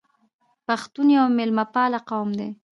پښتون یو میلمه پال قوم دی.